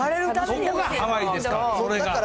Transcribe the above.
そこがハワイですから。